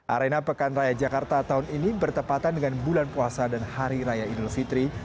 arena pekan raya jakarta tahun ini bertepatan dengan bulan puasa dan hari raya idul fitri